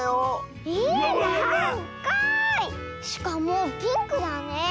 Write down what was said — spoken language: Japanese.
しかもピンクだねえ。